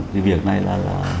cái việc này là